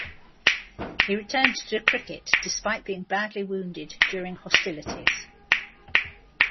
He returned to cricket despite being badly wounded during hostilities.